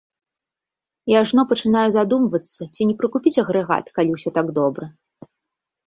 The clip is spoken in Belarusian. І ажно пачынаю задумвацца, ці не прыкупіць агрэгат, калі ўсё так добра.